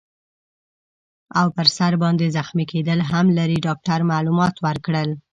او پر سر باندي زخمي کیدل هم لري. ډاکټر معلومات ورکړل.